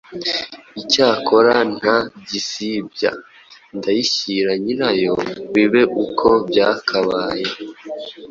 Icyakora nta gisibya, ndayishyira nyirayo bibe uko byakabaye!